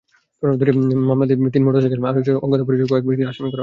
দুটি মামলাতেই তিন মোটরসাইকেল আরোহীসহ অজ্ঞাতপরিচয় কয়েক ব্যক্তিকে আসামি করা হয়েছে।